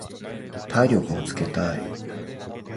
体力をつけたい。